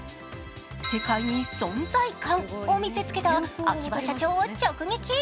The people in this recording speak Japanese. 世界に存在感を見せつけた秋葉社長を直撃。